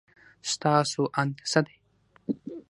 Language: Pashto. ستاسو اند څه دی؟